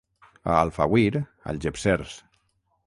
A Alfauir, algepsers.